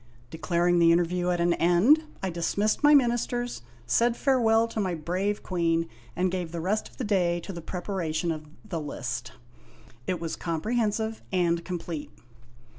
Declaring the interview at an end, I dismissed my ministers, said farewell to my brave queen, and gave the rest of the day to the preparation of the List. It was comprehensive and complete.